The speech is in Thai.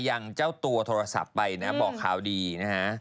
ยังเจ้าตัวโทรศัพท์ไปนะบอกข่าวดีนะฮะ